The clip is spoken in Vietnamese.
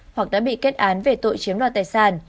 hoặc đã bị kết án về tội chiếm đoạt tài sản